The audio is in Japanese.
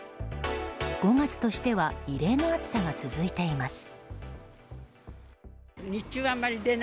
５月としては異例の暑さが続いています。